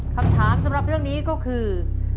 คำถามสำหรับเรื่องนี้ก็คือ